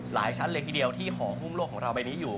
หลายชั้นเลยทีเดียวที่ห่อหุ้มโลกของเราใบนี้อยู่